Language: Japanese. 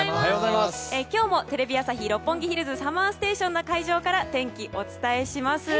今日も「テレビ朝日・六本木ヒルズＳＵＭＭＥＲＳＴＡＴＩＯＮ」そちらの会場から天気をお伝えします。